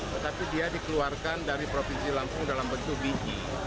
tetapi dia dikeluarkan dari provinsi lampung dalam bentuk biji